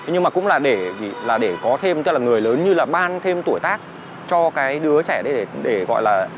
nhưng mà cũng là để có thêm tức là người lớn như là mang thêm tuổi tác cho cái đứa trẻ đấy để gọi là